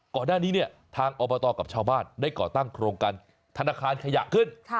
ก่อนหน้านี้เนี่ยทางอบตกับชาวบ้านได้ก่อตั้งโครงการธนาคารขยะขึ้น